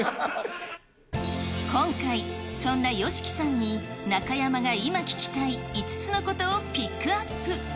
今回、そんなＹＯＳＨＩＫＩさんに中山が今聞きたい、５つのことをピックアップ。